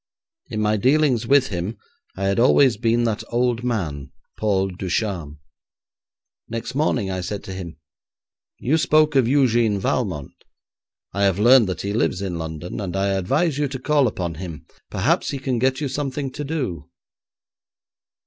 In my dealings with him I had always been that old man, Paul Ducharme. Next morning I said to him: 'You spoke of Eugène Valmont. I have learned that he lives in London, and I advise you to call upon him. Perhaps he can get you something to do.'